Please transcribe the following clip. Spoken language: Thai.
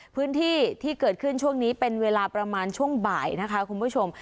พื้นที่ที่เกิดขึ้นช่วงนี้เป็นเวลาประมาณช่วงบ่ายนะคะคุณผู้ชม